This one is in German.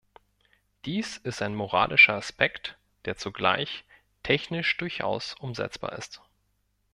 Dies ist ein moralischer Aspekt, der zugleich technisch durchaus umsetzbar ist.